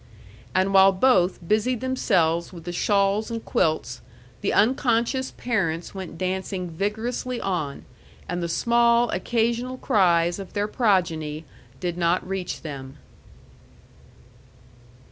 And while both busied themselves with the shawls and quilts, the unconscious parents went dancing vigorously on, and the small, occasional cries of their progeny did not reach them.